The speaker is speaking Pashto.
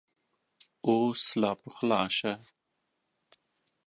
اوس لا پخلا شه !